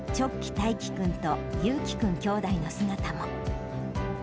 大喜君と悠喜君兄弟の姿も。